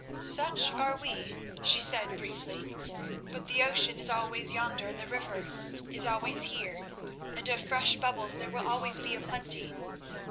"Such are we," she said briefly; "but the ocean is always yonder, and the river is always here, and of fresh bubbles there will always be a plenty.